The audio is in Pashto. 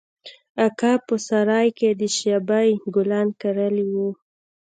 اکا په سراى کښې د شبۍ ګلان کرلي وو.